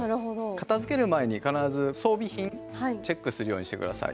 片づける前に必ず装備品チェックするようにして下さい。